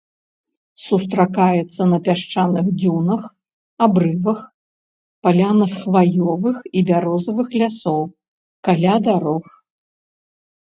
Сустракаецца на пясчаных дзюнах, абрывах, палянах хваёвых і бярозавых лясоў, каля дарог.